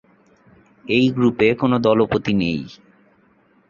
এই গ্রুপে কোনো দলপতি নেই।